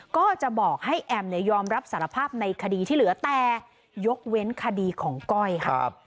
ก็จะบอกให้แอมยอมรับสารภาพในคดีที่เหลือแต่ยกเว้นคดีของก้อยค่ะ